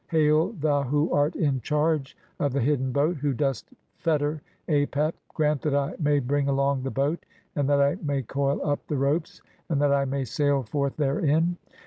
Hail, thou "who art in charge of the hidden boat, who dost fetter Apep, "grant that I may bring along the boat, and that I may coil "up (6) the ropes and that I may sail forth therein.